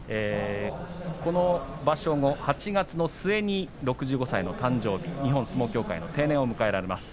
この場所後、８月の末に６５歳の誕生日日本相撲協会の定年を迎えます。